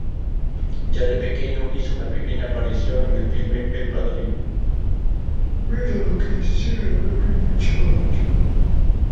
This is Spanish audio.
Ya de pequeño, hizo una pequeña aparición en el filme "El Padrino".